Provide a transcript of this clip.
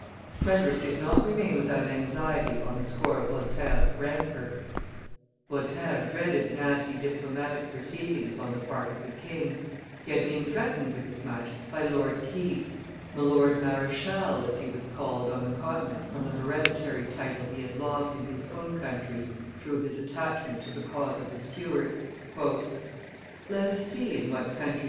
Frederick did not remain without anxiety on the score of Voltaire's rancor; Voltaire dreaded nasty diplomatic proceedings on the part of the king; he had been threatened with as much by Lord Keith, Milord Marechal, as he was called on the Continent from the hereditary title he had lost in his own country through his attachment to the cause of the Stuarts: "Let us see in what countries M.